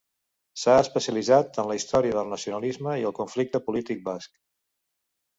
S'ha especialitzat en la història del nacionalisme i del conflicte polític basc.